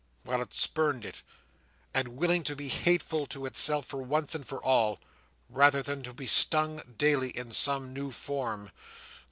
—while it spurned it; and willing to be hateful to itself for once and for all, rather than to be stung daily in some new form.